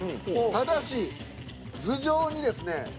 ただし頭上にですね